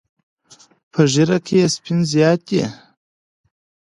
په ږیره کې یې سپین زیات دي.